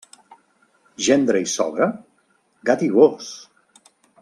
Gendre i sogra?, gat i gos.